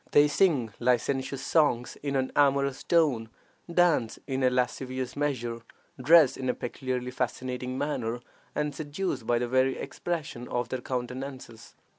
They sing licentious songs in an amorous tone, dance in a lascivious measure, dress in a peculiarly fascinating manner, and seduce by the very expression of their countenances.